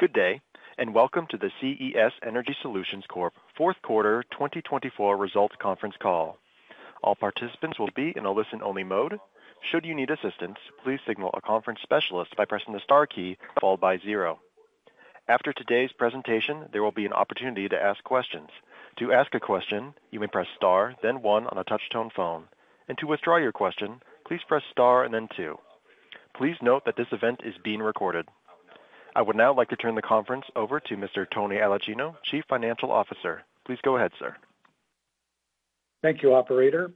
Good day, and welcome to the CES Energy Solutions Fourth Quarter 2024 Results Conference Call. All participants will be in a listen-only mode. Should you need assistance, please signal a conference specialist by pressing the star key followed by zero. After today's presentation, there will be an opportunity to ask questions. To ask a question, you may press star, then one on a touch-tone phone. To withdraw your question, please press star and then two. Please note that this event is being recorded. I would now like to turn the conference over to Mr. Tony Aulicino, Chief Financial Officer. Please go ahead, sir. Thank you, Operator.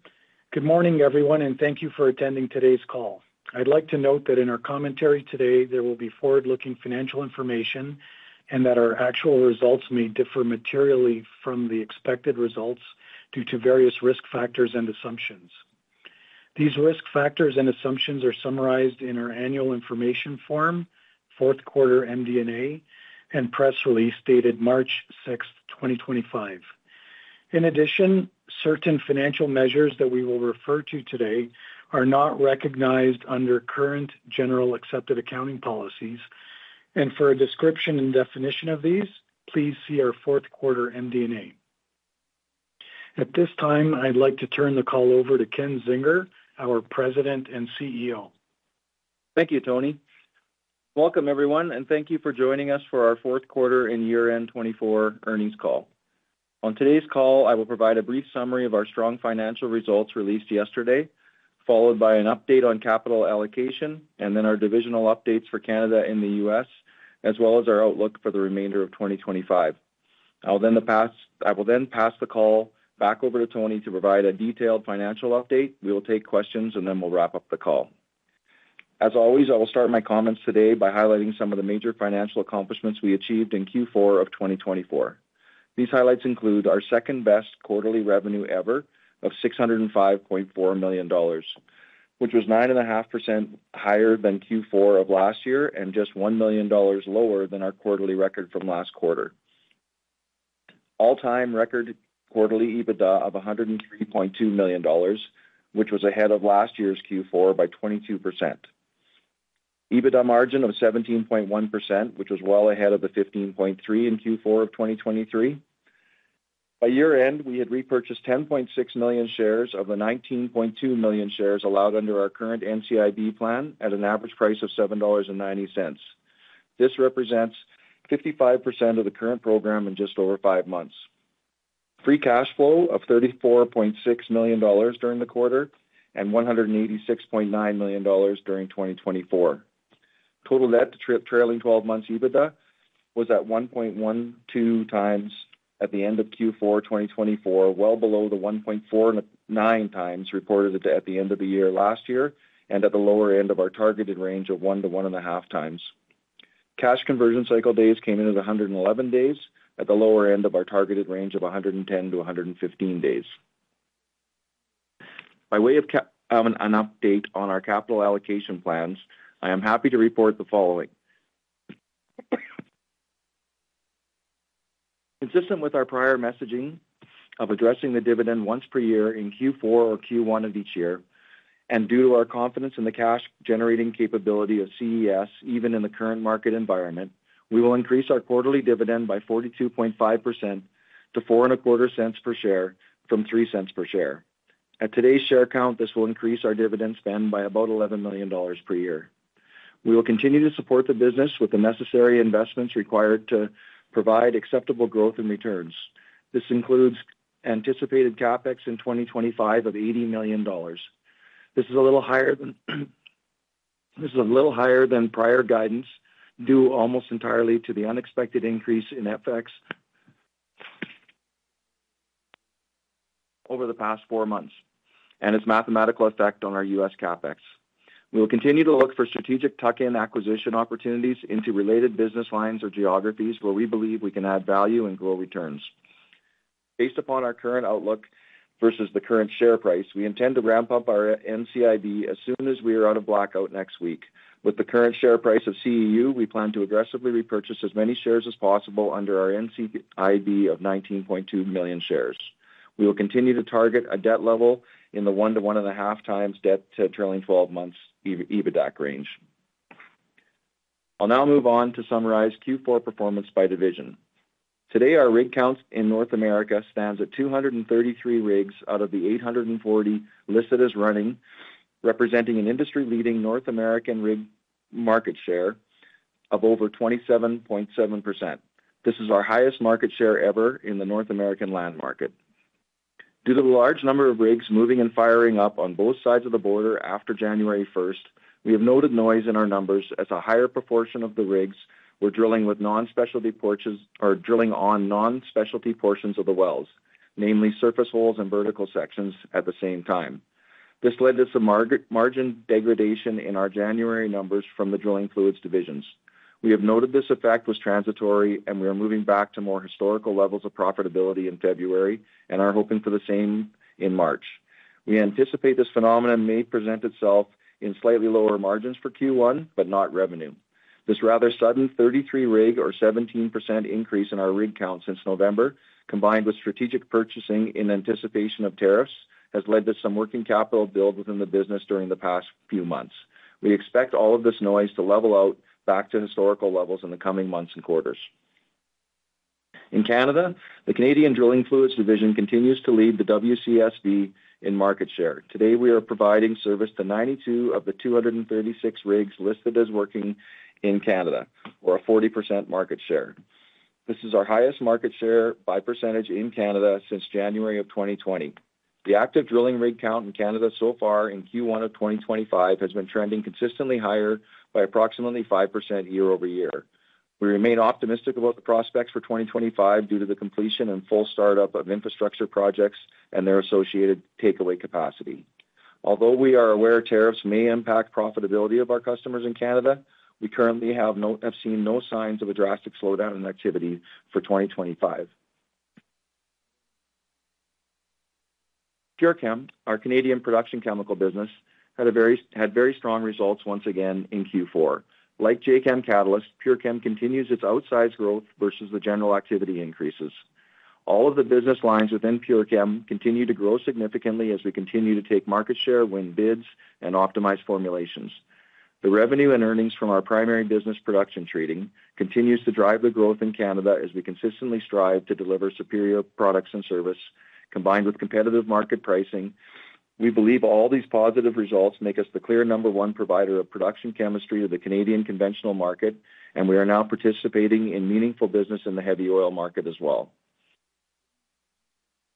Good morning, everyone, and thank you for attending today's call. I'd like to note that in our commentary today, there will be forward-looking financial information and that our actual results may differ materially from the expected results due to various risk factors and assumptions. These risk factors and assumptions are summarized in our annual information form, fourth quarter MD&A, and press release dated March 6, 2025. In addition, certain financial measures that we will refer to today are not recognized under current generally accepted accounting policies, and for a description and definition of these, please see our fourth quarter MD&A. At this time, I'd like to turn the call over to Ken Zinger, our President and CEO. Thank you, Tony. Welcome, everyone, and thank you for joining us for our fourth quarter and year-end 2024 earnings call. On today's call, I will provide a brief summary of our strong financial results released yesterday, followed by an update on capital allocation, and then our divisional updates for Canada and the U.S., as well as our outlook for the remainder of 2025. I will then pass the call back over to Tony to provide a detailed financial update. We will take questions, and then we'll wrap up the call. As always, I will start my comments today by highlighting some of the major financial accomplishments we achieved in Q4 of 2024. These highlights include our second-best quarterly revenue ever of $605.4 million, which was 9.5% higher than Q4 of last year and just $1 million lower than our quarterly record from last quarter. All-time record quarterly EBITDA of $103.2 million, which was ahead of last year's Q4 by 22%. EBITDA margin of 17.1%, which was well ahead of the 15.3% in Q4 of 2023. By year-end, we had repurchased 10.6 million shares of the 19.2 million shares allowed under our current NCIB plan at an average price of $7.90. This represents 55% of the current program in just over five months. Free cash flow of $34.6 million during the quarter and $186.9 million during 2024. Total debt trailing 12 months EBITDA was at 1.12 times at the end of Q4 2024, well below the 1.49 times reported at the end of the year last year and at the lower end of our targeted range of 1-1.5 times. Cash conversion cycle days came in at 111 days at the lower end of our targeted range of 110-115 days. By way of an update on our capital allocation plans, I am happy to report the following. Consistent with our prior messaging of addressing the dividend once per year in Q4 or Q1 of each year, and due to our confidence in the cash-generating capability of CES, even in the current market environment, we will increase our quarterly dividend by 42.5% to $0.0425 per share from $0.03 per share. At today's share count, this will increase our dividend spend by about $11 million per year. We will continue to support the business with the necessary investments required to provide acceptable growth and returns. This includes anticipated CapEx in 2025 of $80 million. This is a little higher than prior guidance due almost entirely to the unexpected increase in FX over the past four months and its mathematical effect on our U.S. CapEx. We will continue to look for strategic tuck-in acquisition opportunities into related business lines or geographies where we believe we can add value and grow returns. Based upon our current outlook versus the current share price, we intend to ramp up our NCIB as soon as we are out of blackout next week. With the current share price of CEU, we plan to aggressively repurchase as many shares as possible under our NCIB of 19.2 million shares. We will continue to target a debt level in the 1-1.5 times debt trailing 12 months EBITDA range. I'll now move on to summarize Q4 performance by division. Today, our rig count in North America stands at 233 rigs out of the 840 listed as running, representing an industry-leading North American rig market share of over 27.7%. This is our highest market share ever in the North American land market. Due to the large number of rigs moving and firing up on both sides of the border after January 1, we have noted noise in our numbers as a higher proportion of the rigs were drilling with non-specialty portions or drilling on non-specialty portions of the wells, namely surface holes and vertical sections at the same time. This led to some margin degradation in our January numbers from the drilling fluids divisions. We have noted this effect was transitory, and we are moving back to more historical levels of profitability in February and are hoping for the same in March. We anticipate this phenomenon may present itself in slightly lower margins for Q1, but not revenue. This rather sudden 33-rig or 17% increase in our rig count since November, combined with strategic purchasing in anticipation of tariffs, has led to some working capital build within the business during the past few months. We expect all of this noise to level out back to historical levels in the coming months and quarters. In Canada, the Canadian Drilling Fluids Division continues to lead the WCSB in market share. Today, we are providing service to 92 of the 236 rigs listed as working in Canada, or a 40% market share. This is our highest market share by percentage in Canada since January of 2020. The active drilling rig count in Canada so far in Q1 of 2025 has been trending consistently higher by approximately 5% year-over-year. We remain optimistic about the prospects for 2025 due to the completion and full startup of infrastructure projects and their associated takeaway capacity. Although we are aware tariffs may impact profitability of our customers in Canada, we currently have seen no signs of a drastic slowdown in activity for 2025. PureChem, our Canadian production chemical business, had very strong results once again in Q4. Like Jacam Catalyst, PureChem continues its outsized growth versus the general activity increases. All of the business lines within PureChem continue to grow significantly as we continue to take market share, win bids, and optimize formulations. The revenue and earnings from our primary business production chemicals continue to drive the growth in Canada as we consistently strive to deliver superior products and service, combined with competitive market pricing. We believe all these positive results make us the clear number one provider of production chemistry to the Canadian conventional market, and we are now participating in meaningful business in the heavy oil market as well.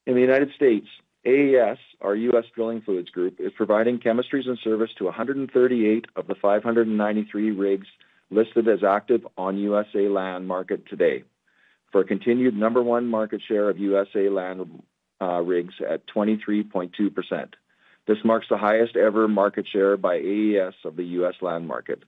In the United States, AES, our U.S. Drilling Fluids Group, is providing chemistries and service to 138 of the 593 rigs listed as active on US land market today for a continued number one market share of U.S. land rigs at 23.2%. This marks the highest ever market share by AES of the U.S. land market.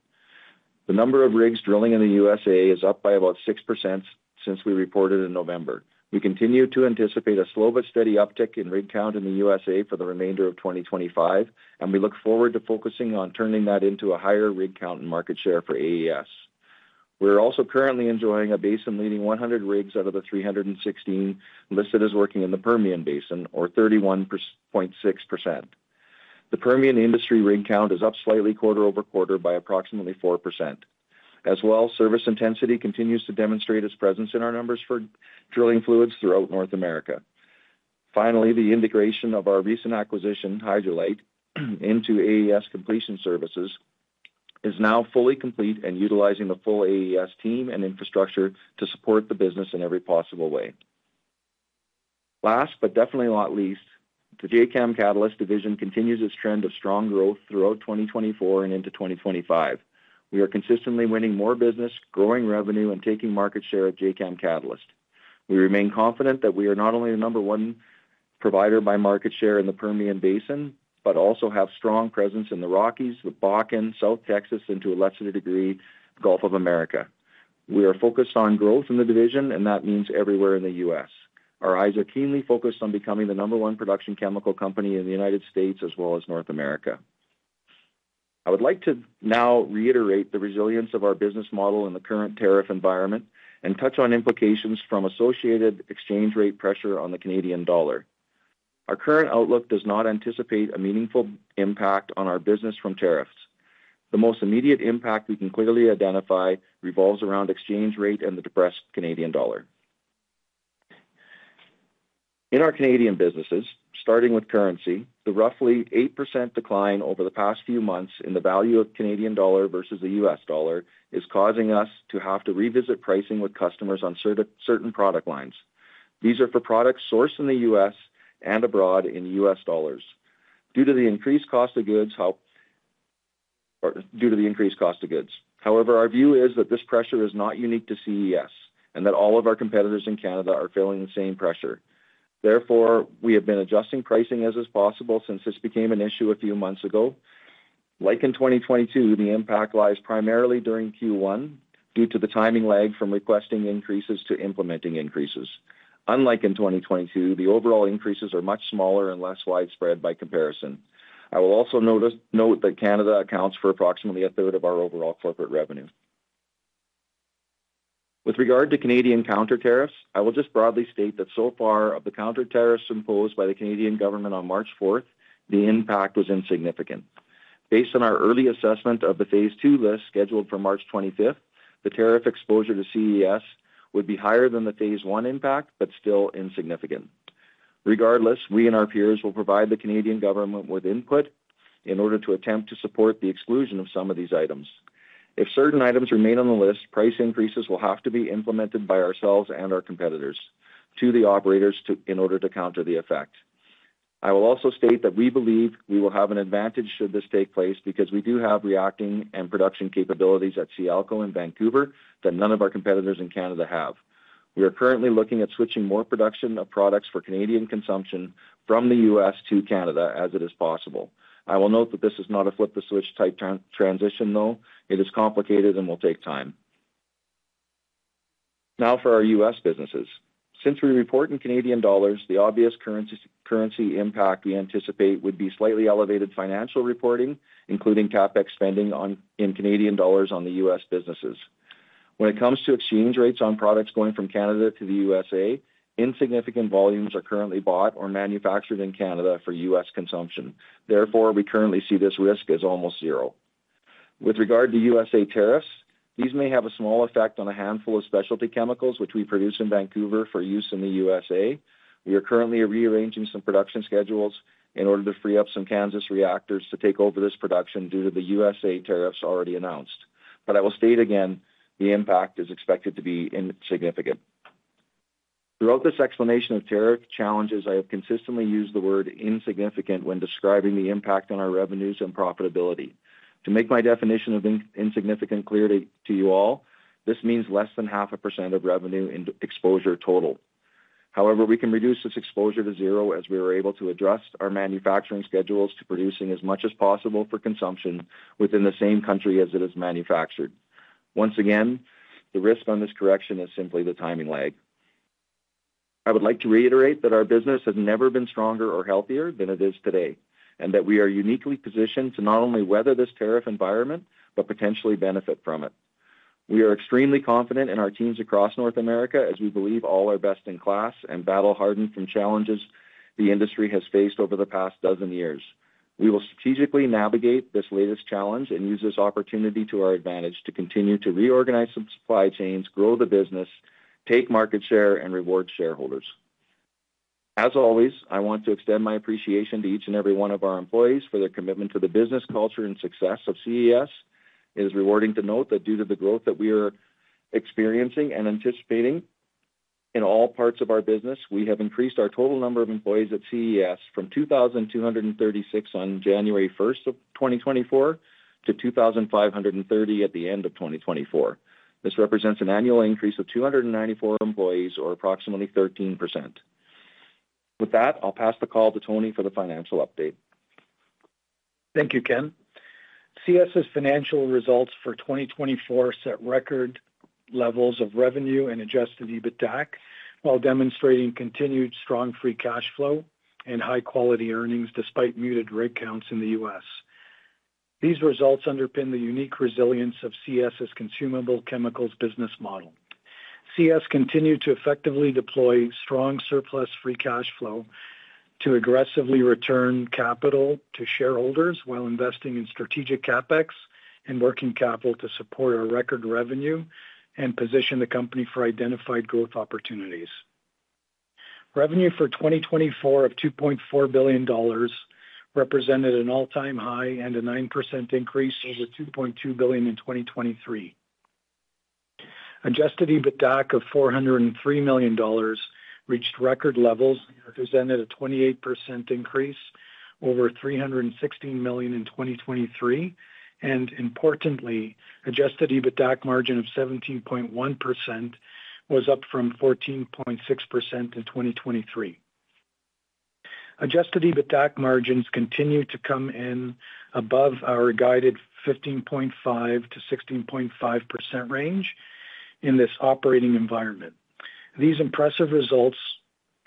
The number of rigs drilling in the U.S. is up by about 6% since we reported in November. We continue to anticipate a slow but steady uptick in rig count in the U.S. for the remainder of 2025, and we look forward to focusing on turning that into a higher rig count and market share for AES. We're also currently enjoying a basin-leading 100 rigs out of the 316 listed as working in the Permian Basin, or 31.6%. The Permian industry rig count is up slightly quarter over quarter by approximately 4%. As well, service intensity continues to demonstrate its presence in our numbers for drilling fluids throughout North America. Finally, the integration of our recent acquisition, Hydrolite, into AES completion services is now fully complete and utilizing the full AES team and infrastructure to support the business in every possible way. Last, but definitely not least, the Jacam Catalyst division continues its trend of strong growth throughout 2024 and into 2025. We are consistently winning more business, growing revenue, and taking market share at Jacam Catalyst. We remain confident that we are not only the number one provider by market share in the Permian Basin, but also have strong presence in the Rockies, the Bakken, South Texas, and to a lesser degree, Gulf of Mexico. We are focused on growth in the division, and that means everywhere in the U.S. Our eyes are keenly focused on becoming the number one production chemical company in the United States as well as North America. I would like to now reiterate the resilience of our business model in the current tariff environment and touch on implications from associated exchange rate pressure on the Canadian dollar. Our current outlook does not anticipate a meaningful impact on our business from tariffs. The most immediate impact we can clearly identify revolves around exchange rate and the depressed Canadian dollar. In our Canadian businesses, starting with currency, the roughly 8% decline over the past few months in the value of the Canadian dollar versus the US dollar is causing us to have to revisit pricing with customers on certain product lines. These are for products sourced in the U.S. and abroad in US dollars. Due to the increased cost of goods, however, our view is that this pressure is not unique to CES and that all of our competitors in Canada are feeling the same pressure. Therefore, we have been adjusting pricing as is possible since this became an issue a few months ago. Like in 2022, the impact lies primarily during Q1 due to the timing lag from requesting increases to implementing increases. Unlike in 2022, the overall increases are much smaller and less widespread by comparison. I will also note that Canada accounts for approximately a third of our overall corporate revenue. With regard to Canadian counter tariffs, I will just broadly state that so far of the counter tariffs imposed by the Canadian government on March 4th, the impact was insignificant. Based on our early assessment of the phase two list scheduled for March 25th, the tariff exposure to CES would be higher than the phase one impact, but still insignificant. Regardless, we and our peers will provide the Canadian government with input in order to attempt to support the exclusion of some of these items. If certain items remain on the list, price increases will have to be implemented by ourselves and our competitors to the operators in order to counter the effect. I will also state that we believe we will have an advantage should this take place because we do have reacting and production capabilities at Sialco in Vancouver that none of our competitors in Canada have. We are currently looking at switching more production of products for Canadian consumption from the U.S. to Canada as it is possible. I will note that this is not a flip-the-switch type transition, though. It is complicated and will take time. Now for our U.S. businesses. Since we report in Canadian dollars, the obvious currency impact we anticipate would be slightly elevated financial reporting, including CapEx spending in Canadian dollars on the U.S. businesses. When it comes to exchange rates on products going from Canada to the U.S.A., insignificant volumes are currently bought or manufactured in Canada for U.S. consumption. Therefore, we currently see this risk as almost zero. With regard to U.S.A. tariffs, these may have a small effect on a handful of specialty chemicals which we produce in Vancouver for use in the U.S.A. We are currently rearranging some production schedules in order to free up some Kansas reactors to take over this production due to the U.S.A. tariffs already announced. I will state again, the impact is expected to be insignificant. Throughout this explanation of tariff challenges, I have consistently used the word insignificant when describing the impact on our revenues and profitability. To make my definition of insignificant clear to you all, this means less than 0.5% of revenue in exposure total. However, we can reduce this exposure to zero as we are able to adjust our manufacturing schedules to producing as much as possible for consumption within the same country as it is manufactured. Once again, the risk on this correction is simply the timing lag. I would like to reiterate that our business has never been stronger or healthier than it is today and that we are uniquely positioned to not only weather this tariff environment, but potentially benefit from it. We are extremely confident in our teams across North America as we believe all are best in class and battle hardened from challenges the industry has faced over the past dozen years. We will strategically navigate this latest challenge and use this opportunity to our advantage to continue to reorganize some supply chains, grow the business, take market share, and reward shareholders. As always, I want to extend my appreciation to each and every one of our employees for their commitment to the business culture and success of CES. It is rewarding to note that due to the growth that we are experiencing and anticipating in all parts of our business, we have increased our total number of employees at CES from 2,236 on January 1 of 2024 to 2,530 at the end of 2024. This represents an annual increase of 294 employees, or approximately 13%. With that, I'll pass the call to Tony for the financial update. Thank you, Ken. CES's financial results for 2024 set record levels of revenue and adjusted EBITDA while demonstrating continued strong free cash flow and high-quality earnings despite muted rig counts in the U.S. These results underpin the unique resilience of CES's consumable chemicals business model. CES continued to effectively deploy strong surplus free cash flow to aggressively return capital to shareholders while investing in strategic CapEx and working capital to support our record revenue and position the company for identified growth opportunities. Revenue for 2024 of $2.4 billion represented an all-time high and a 9% increase over $2.2 billion in 2023. Adjusted EBITDA of $403 million reached record levels, represented a 28% increase over $316 million in 2023, and importantly, adjusted EBITDA margin of 17.1% was up from 14.6% in 2023. Adjusted EBITDA margins continue to come in above our guided 15.5%-16.5% range in this operating environment. These impressive results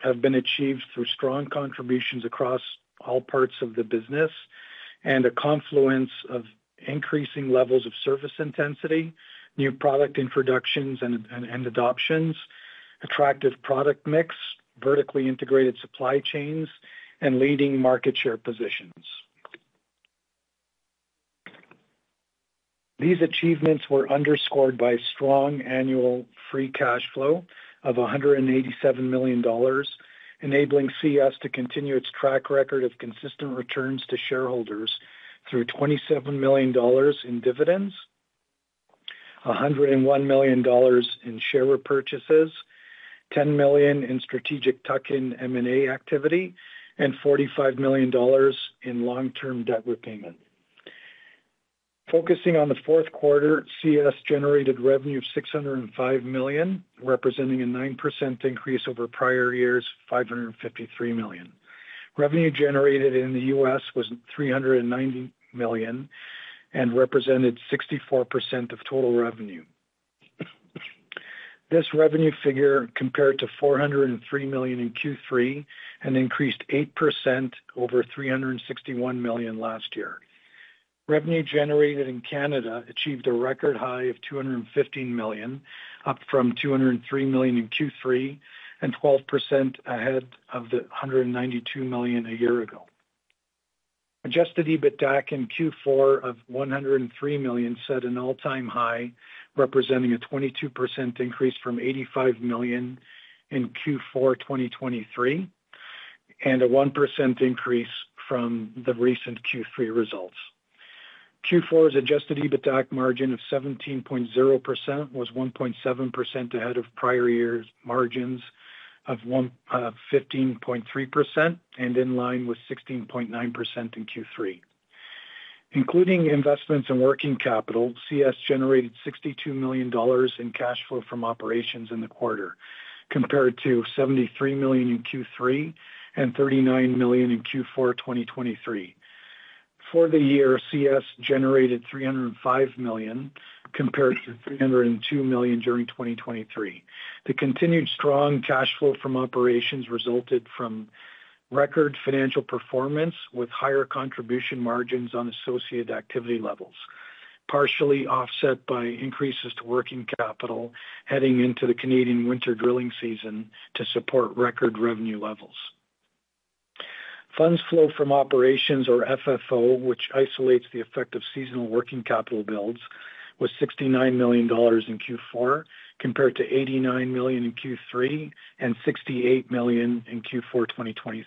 have been achieved through strong contributions across all parts of the business and a confluence of increasing levels of service intensity, new product introductions and adoptions, attractive product mix, vertically integrated supply chains, and leading market share positions. These achievements were underscored by strong annual free cash flow of $187 million, enabling CES to continue its track record of consistent returns to shareholders through $27 million in dividends, $101 million in share repurchases, $10 million in strategic tuck-in M&A activity, and $45 million in long-term debt repayment. Focusing on the fourth quarter, CES generated revenue of $605 million, representing a 9% increase over prior year's $553 million. Revenue generated in the U.S. was $390 million and represented 64% of total revenue. This revenue figure compared to $403 million in Q3 and increased 8% over $361 million last year. Revenue generated in Canada achieved a record high of $215 million, up from $203 million in Q3 and 12% ahead of the $192 million a year ago. Adjusted EBITDA in Q4 of $103 million set an all-time high, representing a 22% increase from $85 million in Q4 2023 and a 1% increase from the recent Q3 results. Q4's adjusted EBITDA margin of 17.0% was 1.7% ahead of prior year's margins of 15.3% and in line with 16.9% in Q3. Including investments and working capital, CES generated $62 million in cash flow from operations in the quarter, compared to $73 million in Q3 and $39 million in Q4 2023. For the year, CES generated $305 million compared to $302 million during 2023. The continued strong cash flow from operations resulted from record financial performance with higher contribution margins on associated activity levels, partially offset by increases to working capital heading into the Canadian winter drilling season to support record revenue levels. Funds flow from operations, or FFO, which isolates the effect of seasonal working capital builds, was $69 million in Q4 compared to $89 million in Q3 and $68 million in Q4 2022.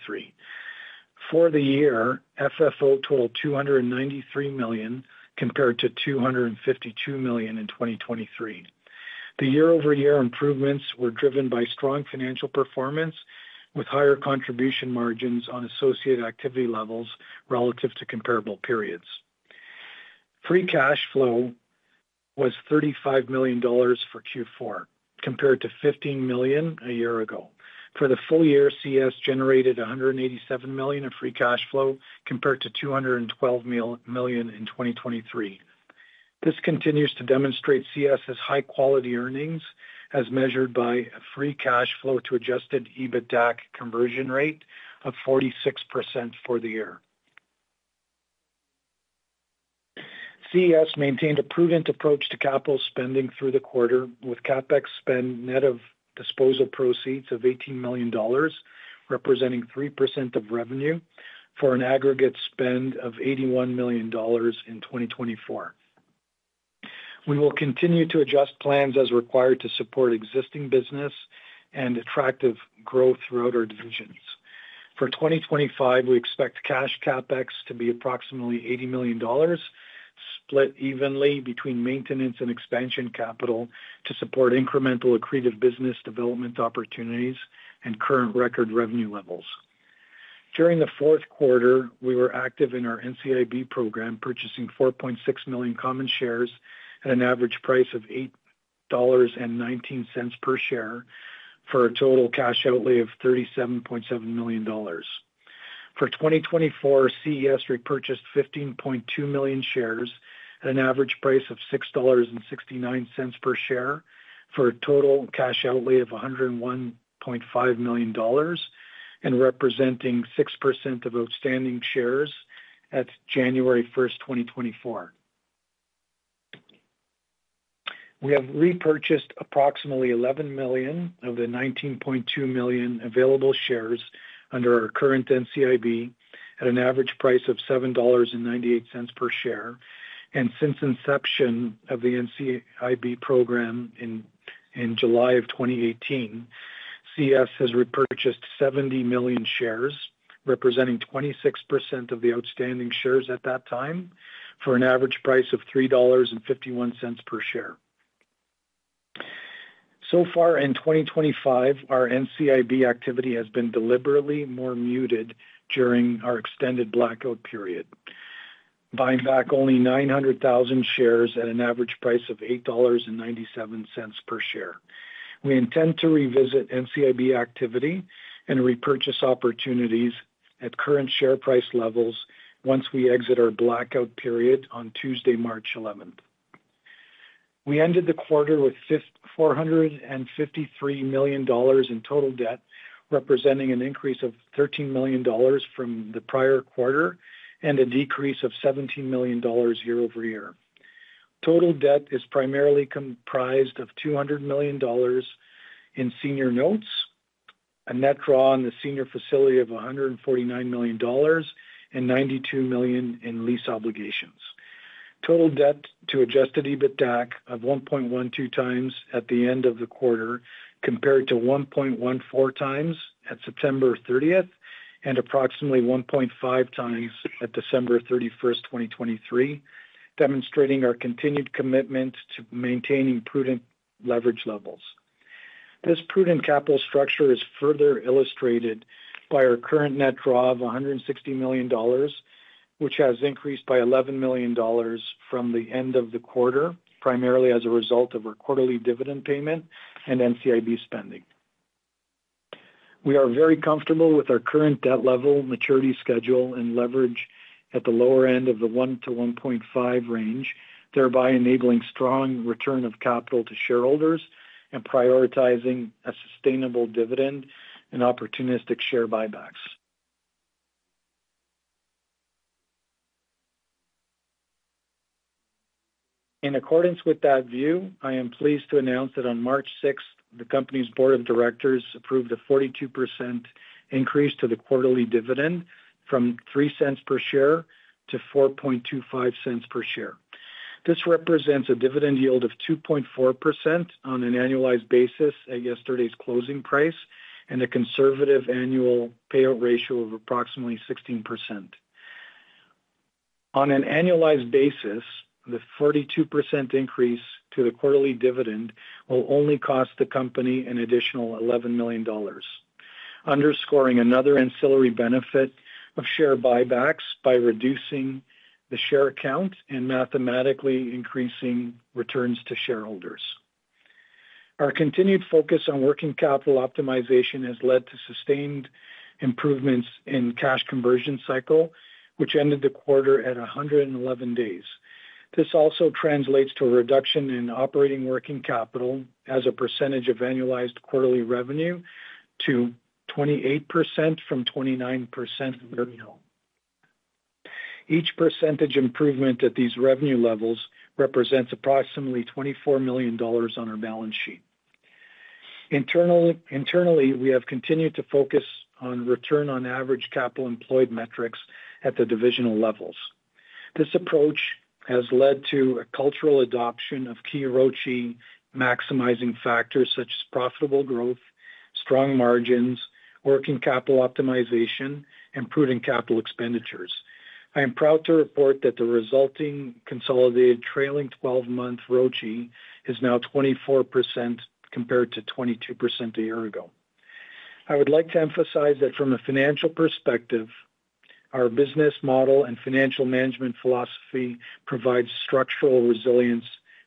For the year, FFO totaled $293 million compared to $252 million in 2022. The year-over-year improvements were driven by strong financial performance with higher contribution margins on associated activity levels relative to comparable periods. Free cash flow was $35 million for Q4 compared to $15 million a year ago. For the full year, CES generated $187 million of free cash flow compared to $212 million in 2022. This continues to demonstrate CES's high-quality earnings as measured by free cash flow to adjusted EBITDA conversion rate of 46% for the year. CES maintained a prudent approach to capital spending through the quarter, with CapEx spend net of disposal proceeds of $18 million, representing 3% of revenue, for an aggregate spend of $81 million in 2024. We will continue to adjust plans as required to support existing business and attractive growth throughout our divisions. For 2025, we expect cash CapEx to be approximately $80 million, split evenly between maintenance and expansion capital to support incremental accretive business development opportunities and current record revenue levels. During the fourth quarter, we were active in our NCIB program, purchasing 4.6 million common shares at an average price of $8.19 per share for a total cash outlay of $37.7 million. For 2024, CES repurchased 15.2 million shares at an average price of $6.69 per share for a total cash outlay of $101.5 million, and representing 6% of outstanding shares at January 1, 2024. We have repurchased approximately $11 million of the $19.2 million available shares under our current NCIB at an average price of $7.98 per share. Since inception of the NCIB program in July of 2018, CES has repurchased 70 million shares, representing 26% of the outstanding shares at that time for an average price of $3.51 per share. In 2025, our NCIB activity has been deliberately more muted during our extended blackout period, buying back only 900,000 shares at an average price of $8.97 per share. We intend to revisit NCIB activity and repurchase opportunities at current share price levels once we exit our blackout period on Tuesday, March 11th. We ended the quarter with $453 million in total debt, representing an increase of $13 million from the prior quarter and a decrease of $17 million year-over-year. Total debt is primarily comprised of $200 million in senior notes, a net draw on the senior facility of $149 million, and $92 million in lease obligations. Total debt to adjusted EBITDA of 1.12 times at the end of the quarter compared to 1.14 times at September 30th and approximately 1.5 times at December 31st, 2023, demonstrating our continued commitment to maintaining prudent leverage levels. This prudent capital structure is further illustrated by our current net draw of $160 million, which has increased by $11 million from the end of the quarter, primarily as a result of our quarterly dividend payment and NCIB spending. We are very comfortable with our current debt level, maturity schedule, and leverage at the lower end of the 1-1.5 range, thereby enabling strong return of capital to shareholders and prioritizing a sustainable dividend and opportunistic share buybacks. In accordance with that view, I am pleased to announce that on March 6th, the company's board of directors approved a 42% increase to the quarterly dividend from $0.03 per share to $4.25 per share. This represents a dividend yield of 2.4% on an annualized basis at yesterday's closing price and a conservative annual payout ratio of approximately 16%. On an annualized basis, the 42% increase to the quarterly dividend will only cost the company an additional $11 million, underscoring another ancillary benefit of share buybacks by reducing the share count and mathematically increasing returns to shareholders. Our continued focus on working capital optimization has led to sustained improvements in cash conversion cycle, which ended the quarter at 111 days. This also translates to a reduction in operating working capital as a percentage of annualized quarterly revenue to 28% from 29% very well. Each percentage improvement at these revenue levels represents approximately $24 million on our balance sheet. Internally, we have continued to focus on return on average capital employed metrics at the divisional levels. This approach has led to a cultural adoption of key ROACE maximizing factors such as profitable growth, strong margins, working capital optimization, and prudent capital expenditures. I am proud to report that the resulting consolidated trailing 12-month ROACE is now 24% compared to 22% a year ago. I would like to emphasize that from a financial perspective, our business model and financial management philosophy provides structural resilience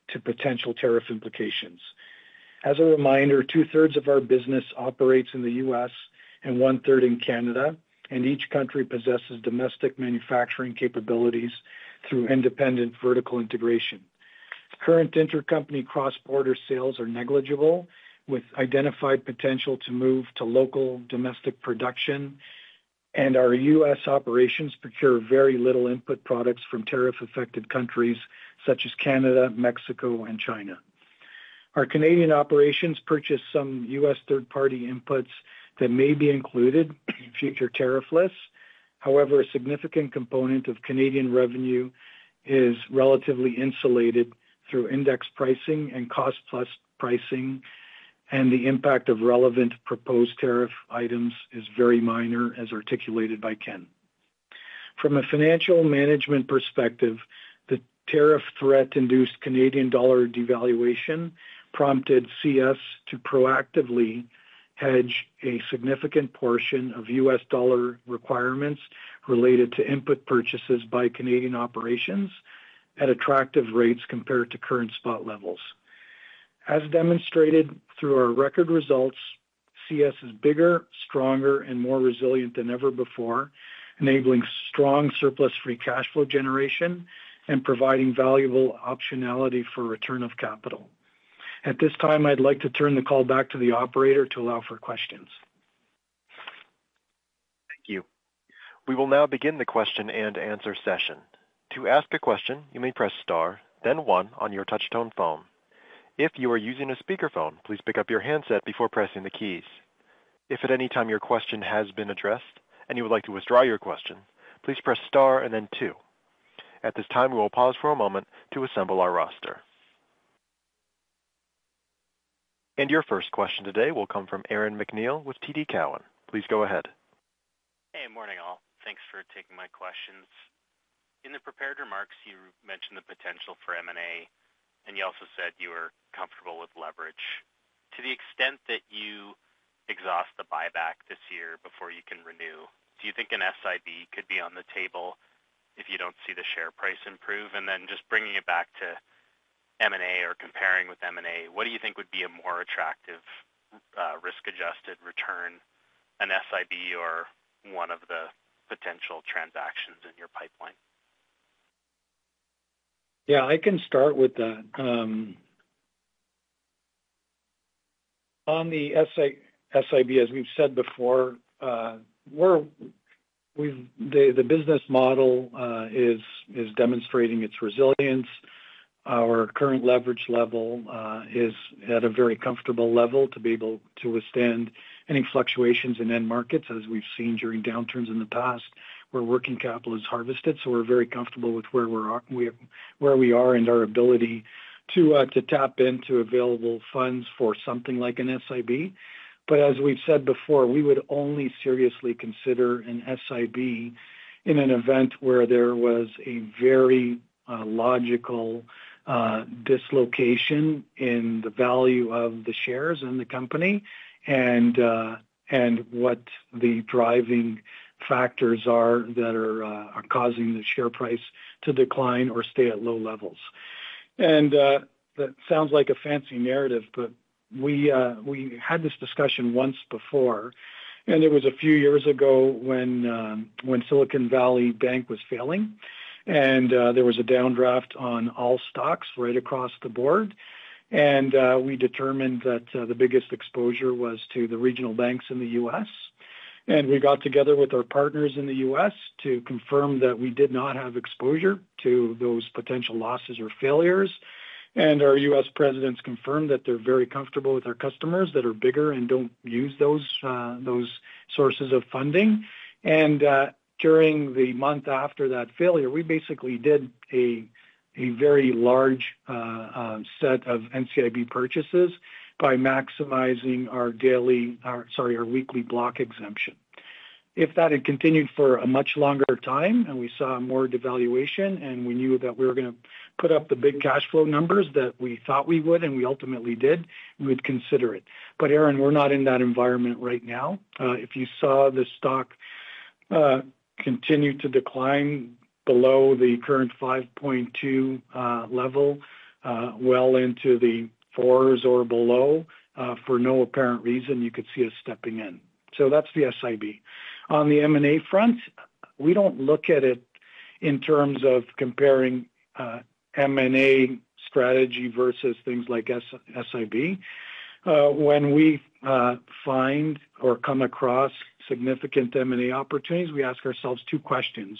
to potential tariff implications. As a reminder, two-thirds of our business operates in the U.S. and one-third in Canada, and each country possesses domestic manufacturing capabilities through independent vertical integration. Current intercompany cross-border sales are negligible, with identified potential to move to local domestic production, and our U.S. operations procure very little input products from tariff-affected countries such as Canada, Mexico, and China. Our Canadian operations purchase some U.S. third-party inputs that may be included in future tariff lists. However, a significant component of Canadian revenue is relatively insulated through index pricing and cost-plus pricing, and the impact of relevant proposed tariff items is very minor, as articulated by Ken. From a financial management perspective, the tariff threat-induced Canadian dollar devaluation prompted CES to proactively hedge a significant portion of U.S. dollar requirements related to input purchases by Canadian operations at attractive rates compared to current spot levels. As demonstrated through our record results, CES is bigger, stronger, and more resilient than ever before, enabling strong surplus-free cash flow generation and providing valuable optionality for return of capital. At this time, I'd like to turn the call back to the operator to allow for questions. Thank you. We will now begin the question-answer-session. To ask a question, you may press star, then 1 on your touch-tone phone. If you are using a speakerphone, please pick up your handset before pressing the keys. If at any time your question has been addressed and you would like to withdraw your question, please press star and then two. At this time, we will pause for a moment to assemble our roster. Your first question today will come from Aaron MacNeil with TD Cowen. Please go ahead. Hey, morning all. Thanks for taking my questions. In the prepared remarks, you mentioned the potential for M&A, and you also said you were comfortable with leverage. To the extent that you exhaust the buyback this year before you can renew, do you think an SIB could be on the table if you do not see the share price improve? Just bringing it back to M&A or comparing with M&A, what do you think would be a more attractive risk-adjusted return, an SIB or one of the potential transactions in your pipeline? Yeah, I can start with that. On the SIB, as we have said before, the business model is demonstrating its resilience. Our current leverage level is at a very comfortable level to be able to withstand any fluctuations in end markets, as we have seen during downturns in the past. Where working capital is harvested, so we are very comfortable with where we are and our ability to tap into available funds for something like an SIB. As we've said before, we would only seriously consider an SIB in an event where there was a very logical dislocation in the value of the shares in the company and what the driving factors are that are causing the share price to decline or stay at low levels. That sounds like a fancy narrative, but we had this discussion once before, and it was a few years ago when Silicon Valley Bank was failing, and there was a downdraft on all stocks right across the board. We determined that the biggest exposure was to the regional banks in the U.S. We got together with our partners in the U.S. to confirm that we did not have exposure to those potential losses or failures. Our U.S. presidents confirmed that they're very comfortable with our customers that are bigger and don't use those sources of funding. During the month after that failure, we basically did a very large set of NCIB purchases by maximizing our daily, sorry, our weekly block exemption. If that had continued for a much longer time and we saw more devaluation and we knew that we were going to put up the big cash flow numbers that we thought we would and we ultimately did, we would consider it. Aaron, we're not in that environment right now. If you saw the stock continue to decline below the current $5.20 level well into the fours or below for no apparent reason, you could see us stepping in. That is the SIB. On the M&A front, we do not look at it in terms of comparing M&A strategy versus things like SIB. When we find or come across significant M&A opportunities, we ask ourselves two questions.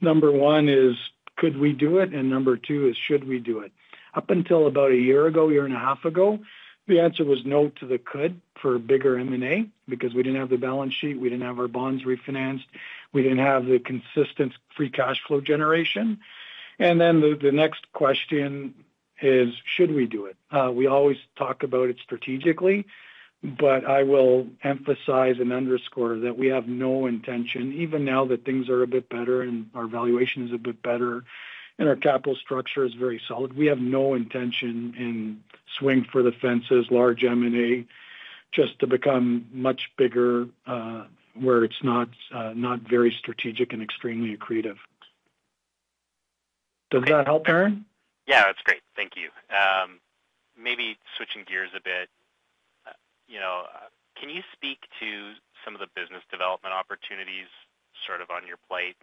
Number one is, could we do it? Number two is, should we do it? Up until about a year ago, year and a half ago, the answer was no to the could for bigger M&A because we did not have the balance sheet, we did not have our bonds refinanced, we did not have the consistent free cash flow generation. The next question is, should we do it? We always talk about it strategically, but I will emphasize and underscore that we have no intention, even now that things are a bit better and our valuation is a bit better and our capital structure is very solid, we have no intention in swing for the fences, large M&A, just to become much bigger where it is not very strategic and extremely accretive. Does that help, Aaron? Yeah, that is great. Thank you. Maybe switching gears a bit, can you speak to some of the business development opportunities sort of on your plate?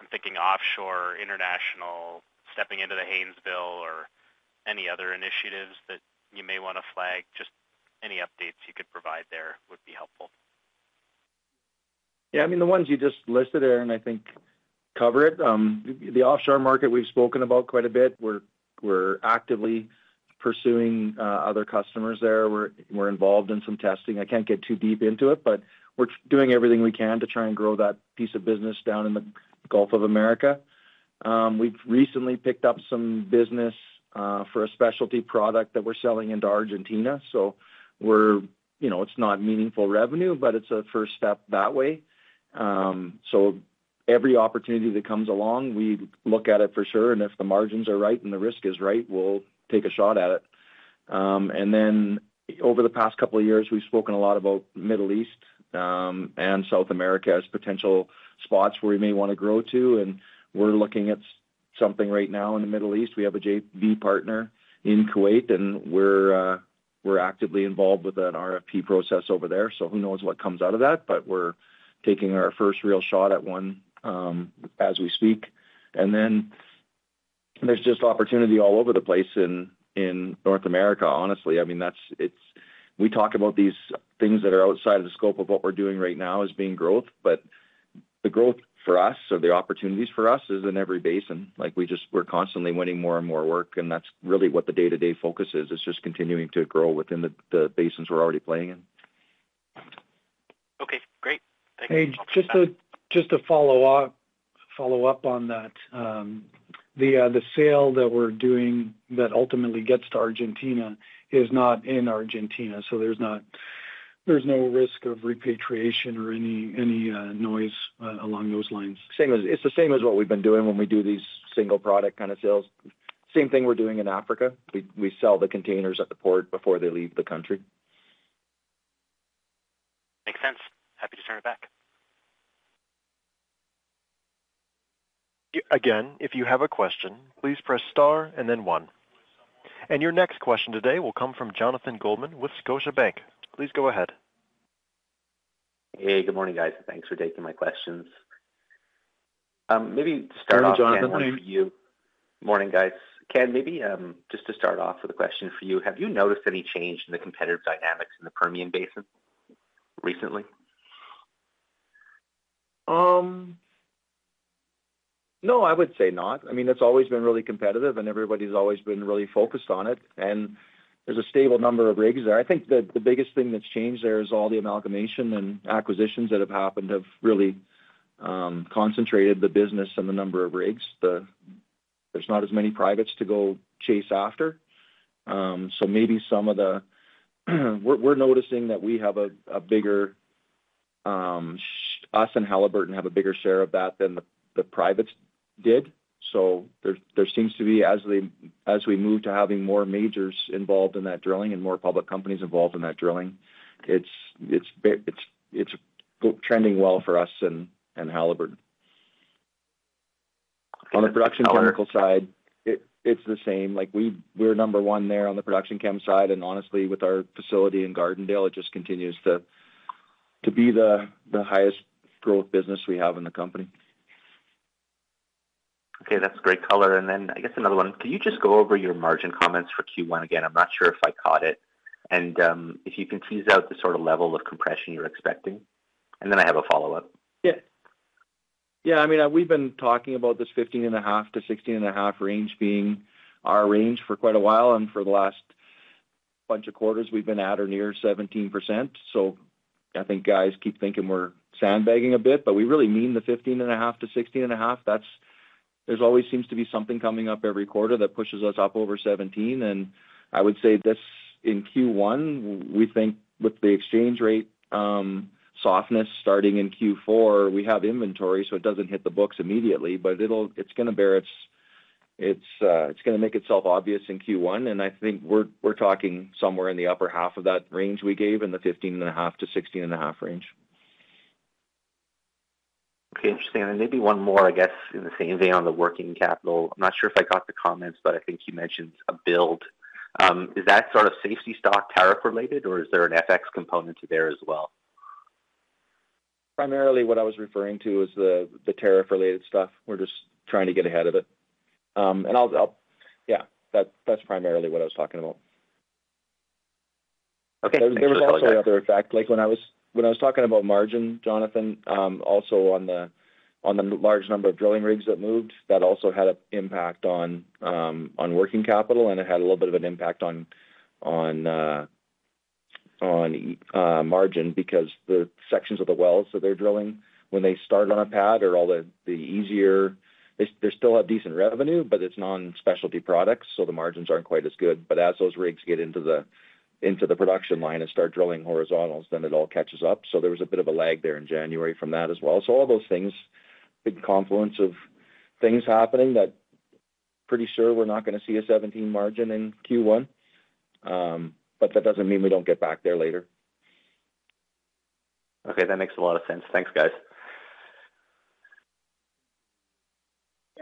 I'm thinking offshore, international, stepping into the Haynesville, or any other initiatives that you may want to flag. Just any updates you could provide there would be helpful. Yeah, I mean, the ones you just listed, Aaron, I think cover it. The offshore market we've spoken about quite a bit. We're actively pursuing other customers there. We're involved in some testing. I can't get too deep into it, but we're doing everything we can to try and grow that piece of business down in the Gulf of Mexico. We've recently picked up some business for a specialty product that we're selling into Argentina. It's not meaningful revenue, but it's a first step that way. Every opportunity that comes along, we look at it for sure. If the margins are right and the risk is right, we'll take a shot at it. Over the past couple of years, we've spoken a lot about Middle East and South America as potential spots where we may want to grow to. We're looking at something right now in the Middle East. We have a JV partner in Kuwait, and we're actively involved with an RFP process over there. Who knows what comes out of that, but we're taking our first real shot at one as we speak. There's just opportunity all over the place in North America, honestly. I mean, we talk about these things that are outside of the scope of what we're doing right now as being growth, but the growth for us, or the opportunities for us, is in every basin. We're constantly winning more and more work, and that's really what the day-to-day focus is. It's just continuing to grow within the basins we're already playing in. Okay. Great. Thank you. Hey, just to follow up on that, the sale that we're doing that ultimately gets to Argentina is not in Argentina, so there's no risk of repatriation or any noise along those lines. It's the same as what we've been doing when we do these single-product kind of sales. Same thing we're doing in Africa. We sell the containers at the port before they leave the country. Makes sense. Happy to turn it back. Again, if you have a question, please press star and then one. Your next question today will come from Jonathan Goldman with Scotiabank. Please go ahead. Hey, good morning, guys. Thanks for taking my questions. Maybe to start off, Jonathan, for you. Good afternoon. Morning, guys. Ken, maybe just to start off with a question for you, have you noticed any change in the competitive dynamics in the Permian Basin recently? No, I would say not. I mean, it's always been really competitive, and everybody's always been really focused on it. There is a stable number of rigs there. I think the biggest thing that's changed there is all the amalgamation and acquisitions that have happened have really concentrated the business and the number of rigs. There's not as many privates to go chase after. Maybe some of the—we're noticing that we have a bigger—us and Halliburton have a bigger share of that than the privates did. There seems to be, as we move to having more majors involved in that drilling and more public companies involved in that drilling, it's trending well for us and Halliburton. On the production chemical side, it's the same. We're number one there on the production chem side. Honestly, with our facility in Gardendale, it just continues to be the highest growth business we have in the company. Okay. That's great color. I guess another one. Could you just go over your margin comments for Q1 again? I'm not sure if I caught it. If you can tease out the sort of level of compression you're expecting. I have a follow-up. Yeah. I mean, we've been talking about this 15.5%-16.5% range being our range for quite a while. For the last bunch of quarters, we've been at or near 17%. I think guys keep thinking we're sandbagging a bit, but we really mean the 15.5%-16.5%. There always seems to be something coming up every quarter that pushes us up over 17. I would say this in Q1, we think with the exchange rate softness starting in Q4, we have inventory, so it does not hit the books immediately, but it is going to bear its—it is going to make itself obvious in Q1. I think we are talking somewhere in the upper half of that range we gave in the 15.5-16.5 range. Okay. Interesting. Maybe one more, I guess, in the same vein on the working capital. I am not sure if I caught the comments, but I think you mentioned a build. Is that sort of safety stock tariff-related, or is there an FX component to there as well? Primarily, what I was referring to is the tariff-related stuff. We are just trying to get ahead of it. Yeah, that's primarily what I was talking about. There was also another fact. When I was talking about margin, Jonathan, also on the large number of drilling rigs that moved, that also had an impact on working capital, and it had a little bit of an impact on margin because the sections of the wells that they're drilling, when they start on a pad or all the easier, they still have decent revenue, but it's non-specialty products, so the margins aren't quite as good. As those rigs get into the production line and start drilling horizontals, then it all catches up. There was a bit of a lag there in January from that as well. All those things, big confluence of things happening that pretty sure we're not going to see a 17% margin in Q1, but that doesn't mean we don't get back there later. Okay. That makes a lot of sense. Thanks, guys.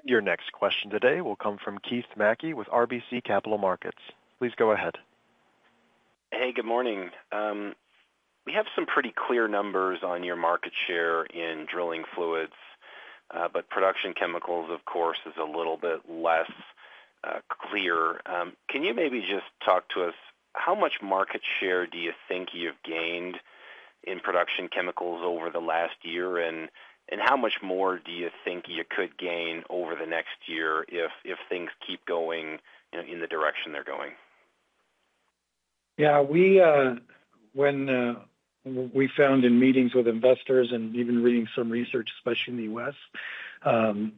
Your next question today will come from Keith Mackey with RBC Capital Markets. Please go ahead. Hey, good morning. We have some pretty clear numbers on your market share in drilling fluids, but production chemicals, of course, is a little bit less clear. Can you maybe just talk to us how much market share do you think you've gained in production chemicals over the last year, and how much more do you think you could gain over the next year if things keep going in the direction they're going? Yeah. What we found in meetings with investors and even reading some research, especially in the U.S.,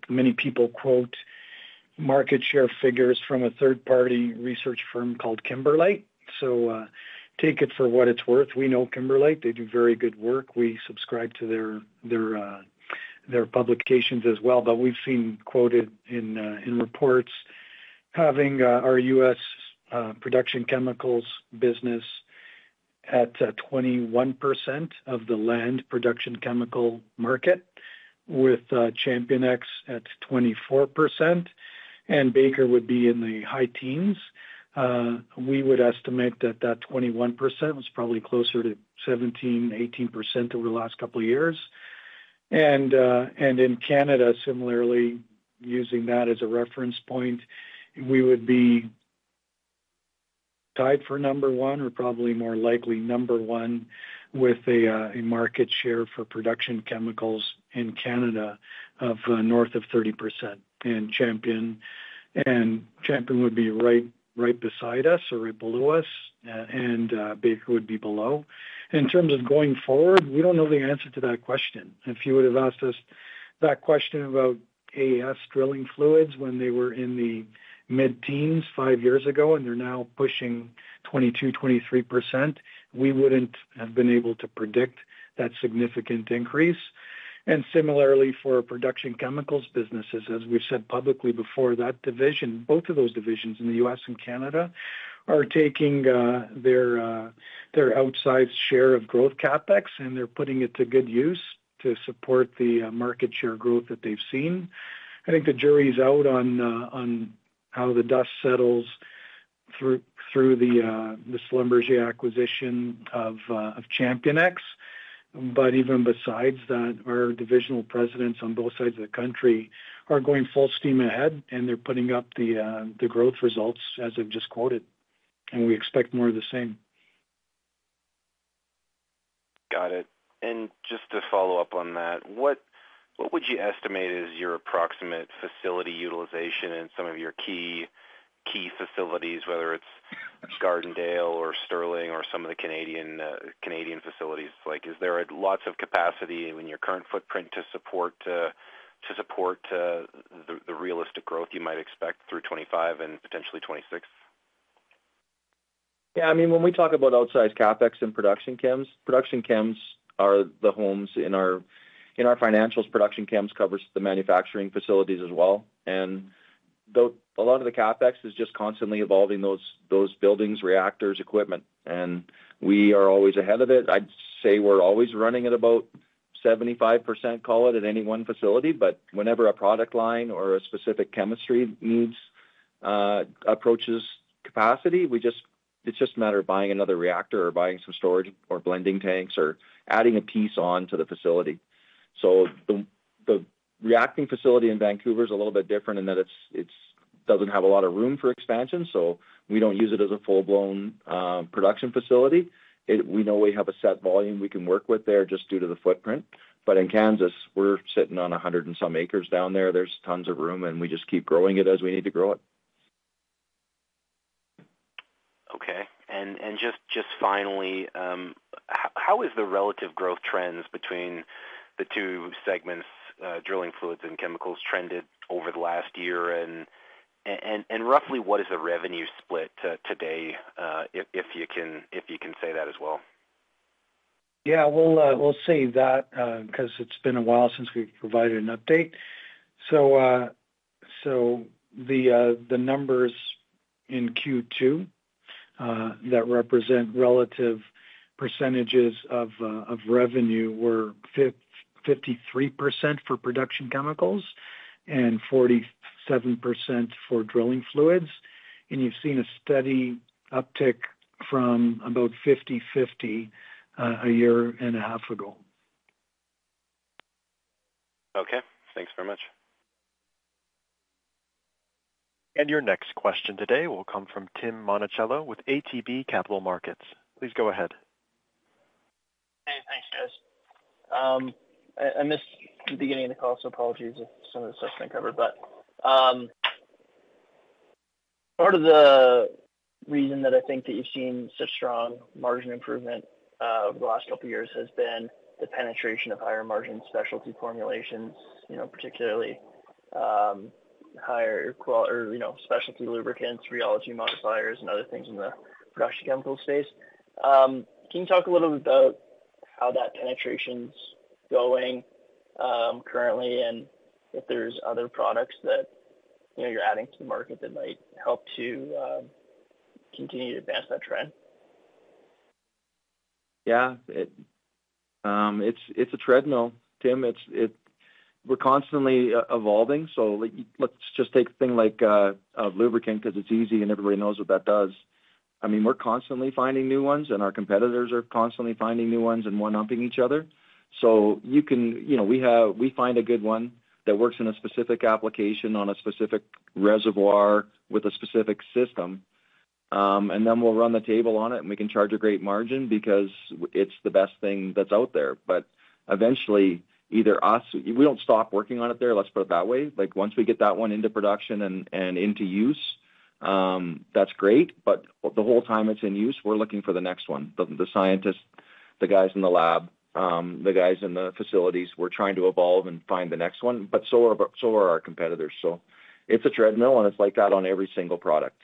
many people quote market share figures from a third-party research firm called Kimberlite. Take it for what it's worth. We know Kimberlite. They do very good work. We subscribe to their publications as well. We've seen quoted in reports having our U.S. production chemicals business at 21% of the land production chemical market, with ChampionX at 24%, and Baker would be in the high teens. We would estimate that that 21% was probably closer to 17-18% over the last couple of years. In Canada, similarly, using that as a reference point, we would be tied for number one or probably more likely number one with a market share for production chemicals in Canada of north of 30%. ChampionX would be right beside us or right below us, and Baker would be below. In terms of going forward, we don't know the answer to that question. If you would have asked us that question about AES drilling fluids when they were in the mid-teens five years ago and they're now pushing 22-23%, we wouldn't have been able to predict that significant increase. Similarly for production chemicals businesses, as we've said publicly before, that division, both of those divisions in the U.S. and Canada are taking their outside share of growth CapEx, and they're putting it to good use to support the market share growth that they've seen. I think the jury's out on how the dust settles through the Schlumberger acquisition of ChampionX. Even besides that, our divisional presidents on both sides of the country are going full steam ahead, and they're putting up the growth results as I've just quoted. We expect more of the same. Got it. Just to follow up on that, what would you estimate is your approximate facility utilization in some of your key facilities, whether it's Gardendale or Sterling or some of the Canadian facilities? Is there lots of capacity in your current footprint to support the realistic growth you might expect through 2025 and potentially 2026? Yeah. I mean, when we talk about outsized CapEx in production chems, production chems are the homes in our financials. Production chems covers the manufacturing facilities as well. A lot of the CapEx is just constantly evolving those buildings, reactors, equipment. We are always ahead of it. I'd say we're always running at about 75%, call it, at any one facility. Whenever a product line or a specific chemistry needs approaches capacity, it's just a matter of buying another reactor or buying some storage or blending tanks or adding a piece on to the facility. The reacting facility in Vancouver is a little bit different in that it doesn't have a lot of room for expansion, so we don't use it as a full-blown production facility. We know we have a set volume we can work with there just due to the footprint. In Kansas, we're sitting on 100 and some acres down there. There's tons of room, and we just keep growing it as we need to grow it. Okay. Just finally, how is the relative growth trends between the two segments, drilling fluids and chemicals, trended over the last year? Roughly, what is the revenue split today, if you can say that as well? Yeah. We'll save that because it's been a while since we've provided an update. The numbers in Q2 that represent relative percentages of revenue were 53% for production chemicals and 47% for drilling fluids. You've seen a steady uptick from about 50-50 a year and a half ago. Okay. Thanks very much. Your next question today will come from Tim Monachello with ATB Capital Markets. Please go ahead. Hey, thanks, guys. I missed the beginning of the call, so apologies if some of this hasn't been covered. Part of the reason that I think that you've seen such strong margin improvement over the last couple of years has been the penetration of higher margin specialty formulations, particularly higher quality or specialty lubricants, rheology modifiers, and other things in the production chemical space. Can you talk a little bit about how that penetration's going currently and if there's other products that you're adding to the market that might help to continue to advance that trend? Yeah. It's a treadmill. Tim, we're constantly evolving. Let's just take a thing like a lubricant because it's easy and everybody knows what that does. I mean, we're constantly finding new ones, and our competitors are constantly finding new ones and one-upping each other. We find a good one that works in a specific application on a specific reservoir with a specific system, and then we'll run the table on it, and we can charge a great margin because it's the best thing that's out there. Eventually, either us—we don't stop working on it there, let's put it that way. Once we get that one into production and into use, that's great. The whole time it's in use, we're looking for the next one. The scientists, the guys in the lab, the guys in the facilities, we're trying to evolve and find the next one. So are our competitors. It's a treadmill, and it's like that on every single product.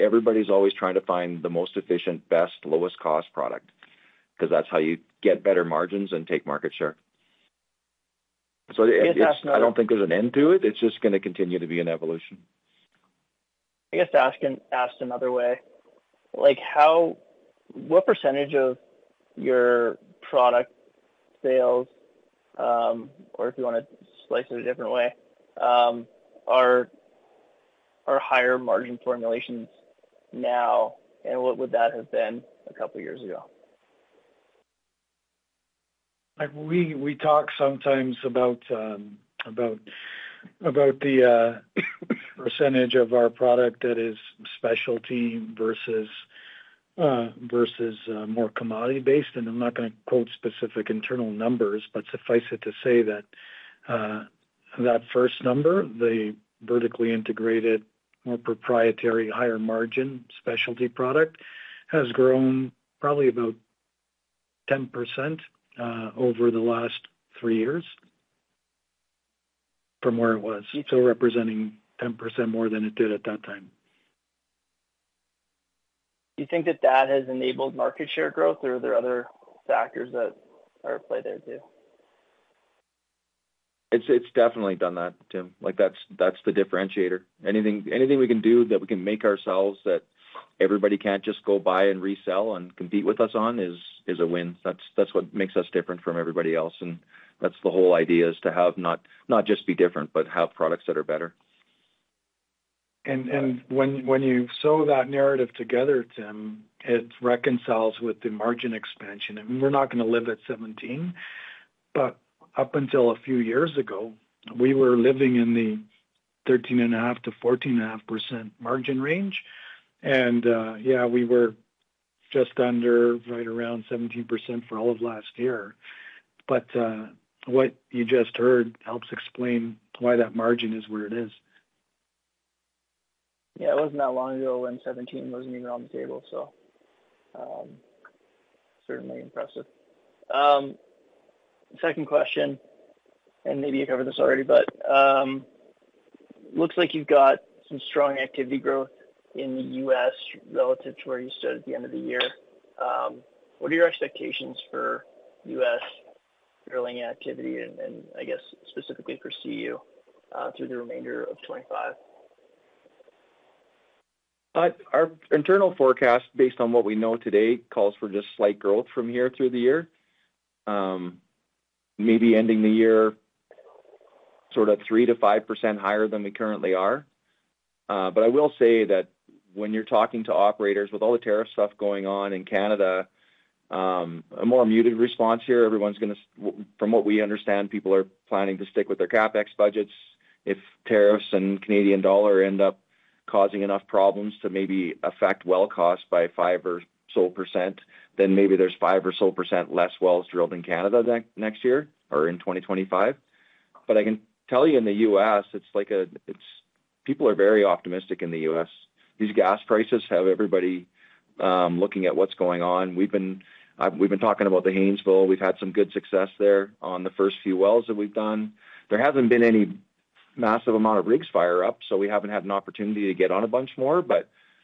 Everybody's always trying to find the most efficient, best, lowest-cost product because that's how you get better margins and take market share. I don't think there's an end to it. It's just going to continue to be an evolution. I guess to ask another way, what percentage of your product sales, or if you want to slice it a different way, are higher margin formulations now, and what would that have been a couple of years ago? We talk sometimes about the percentage of our product that is specialty versus more commodity-based. I'm not going to quote specific internal numbers, but suffice it to say that that first number, the vertically integrated, more proprietary, higher margin specialty product, has grown probably about 10% over the last three years from where it was. Representing 10% more than it did at that time. Do you think that that has enabled market share growth, or are there other factors at play there too? It's definitely done that, Tim. That's the differentiator. Anything we can do that we can make ourselves that everybody can't just go buy and resell and compete with us on is a win. That's what makes us different from everybody else. The whole idea is to not just be different, but have products that are better. When you sew that narrative together, Tim, it reconciles with the margin expansion. We're not going to live at 17, but up until a few years ago, we were living in the 13.5-14.5% margin range. Yeah, we were just under, right around 17% for all of last year. What you just heard helps explain why that margin is where it is. It wasn't that long ago when 17% wasn't even on the table, so certainly impressive. Second question, and maybe you covered this already, but it looks like you've got some strong activity growth in the U.S. relative to where you stood at the end of the year. What are your expectations for U.S. drilling activity and, I guess, specifically for CU through the remainder of 2025? Our internal forecast, based on what we know today, calls for just slight growth from here through the year, maybe ending the year sort of 3-5% higher than we currently are. I will say that when you're talking to operators, with all the tariff stuff going on in Canada, a more muted response here. From what we understand, people are planning to stick with their CapEx budgets. If tariffs and Canadian dollar end up causing enough problems to maybe affect well cost by 5% or so, then maybe there's 5% or so less wells drilled in Canada next year or in 2025. I can tell you in the U.S., it's like people are very optimistic in the U.S. These gas prices have everybody looking at what's going on. We've been talking about the Haynesville. We've had some good success there on the first few wells that we've done. There hasn't been any massive amount of rigs fire up, so we haven't had an opportunity to get on a bunch more.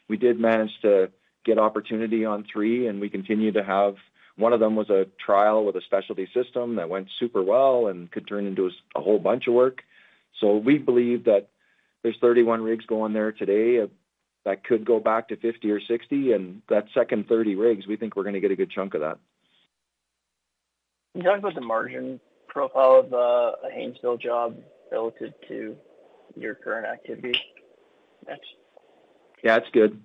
We did manage to get opportunity on three, and we continue to have one of them was a trial with a specialty system that went super well and could turn into a whole bunch of work. We believe that there's 31 rigs going there today that could go back to 50 or 60. That second 30 rigs, we think we're going to get a good chunk of that. Can you talk about the margin profile of the Haynesville job relative to your current activity next? Yeah. It's good.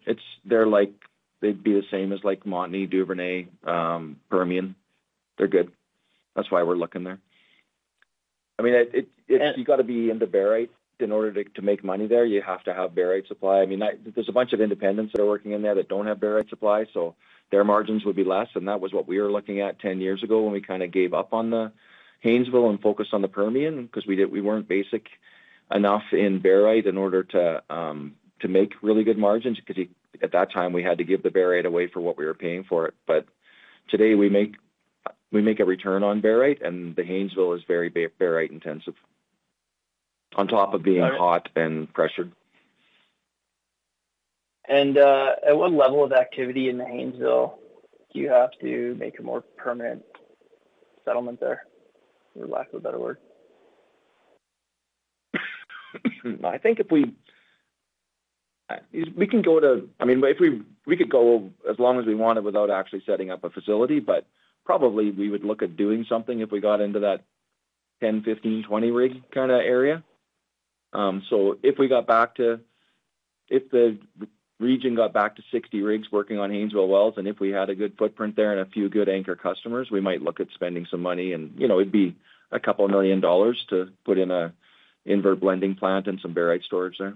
They'd be the same as Montney, Duvernay, Permian. They're good. That's why we're looking there. I mean, you've got to be in the barite in order to make money there. You have to have barite supply. I mean, there's a bunch of independents that are working in there that don't have barite supply, so their margins would be less. That was what we were looking at 10 years ago when we kind of gave up on the Haynesville and focused on the Permian because we weren't basic enough in barite in order to make really good margins because at that time, we had to give the barite away for what we were paying for it. Today, we make a return on barite, and the Haynesville is very barite-intensive on top of being hot and pressured. At what level of activity in the Haynesville do you have to make a more permanent settlement there, for lack of a better word? I think if we—we can go to—I mean, we could go as long as we wanted without actually setting up a facility, but probably we would look at doing something if we got into that 10-15-20 rig kind of area. If we got back to—if the region got back to 60 rigs working on Haynesville wells, and if we had a good footprint there and a few good anchor customers, we might look at spending some money. It'd be a couple of million dollars to put in an invert blending plant and some barite storage there.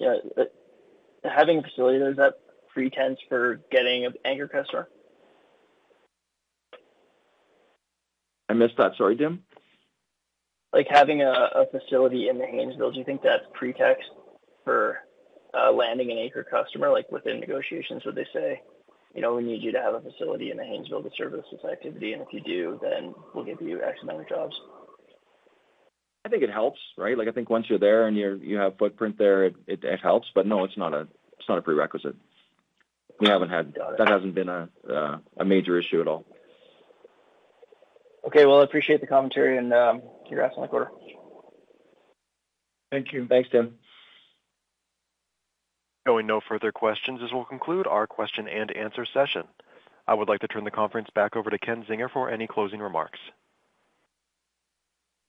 Yeah. Having a facility, is that pretext for getting an anchor customer? I missed that. Sorry, Tim. Having a facility in the Haynesville, do you think that's pretext for landing an anchor customer? Within negotiations, would they say, "We need you to have a facility in the Haynesville to service this activity?" And if you do, then we'll give you X amount of jobs? I think it helps, right? I think once you're there and you have footprint there, it helps. But no, it's not a prerequisite. That hasn't been a major issue at all. Okay. I appreciate the commentary and your nice quarter. Thank you. Thanks, Tim. Given no further questions, we will conclude our question and answer session. I would like to turn the conference back over to Ken Zinger for any closing remarks.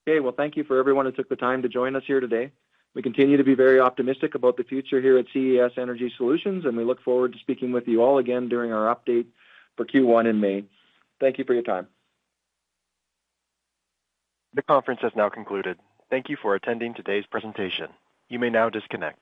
Okay. Thank you to everyone who took the time to join us here today. We continue to be very optimistic about the future here at CES Energy Solutions, and we look forward to speaking with you all again during our update for Q1 in May. Thank you for your time. The conference has now concluded. Thank you for attending today's presentation. You may now disconnect.